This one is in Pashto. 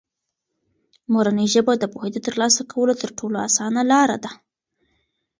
مورنۍ ژبه د پوهې د ترلاسه کولو تر ټولو اسانه لاره ده.